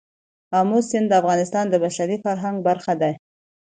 آمو سیند د افغانستان د بشري فرهنګ برخه ده.